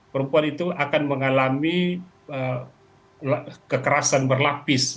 perempuan itu akan mengalami kekerasan berlapis